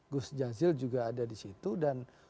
gus jazil juga ada di situ dan